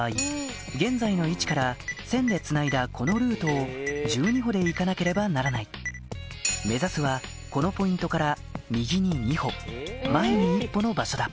現在の位置から線でつないだこのルートを１２歩で行かなければならない目指すはこのポイントから右に２歩前に１歩の場所だ５・６・７・８。